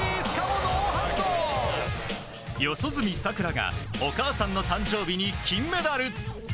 四十住さくらがお母さんの誕生日に金メダル。